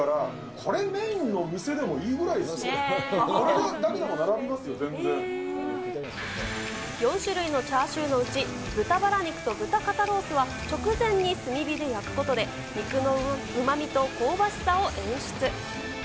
これメインの店でもいいぐらいですよ、これだけでも並びますよ、４種類のチャーシューのうち、豚バラ肉と豚肩ロースは直前に炭火で焼くことで、肉のうまみと香ばしさを演出。